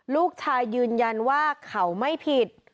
ลูกชายยืนยันว่าเขาไม่ผิด